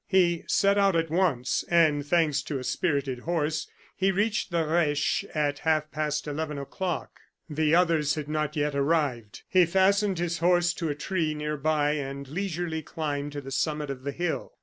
He set out at once, and thanks to a spirited horse, he reached the Reche at half past eleven o'clock. The others had not yet arrived; he fastened his horse to a tree near by, and leisurely climbed to the summit of the hill.